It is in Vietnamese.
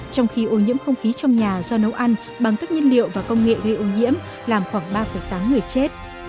trong khi ô nhiễm không khí trong nhà do nấu ăn bằng các nhân liệu và công nghệ gây ô nhiễm làm khoảng ba tám người chết